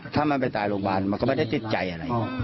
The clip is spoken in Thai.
ถ้ามันไปตายโรงพยาบาลมันก็ไม่ได้ติดใจอะไร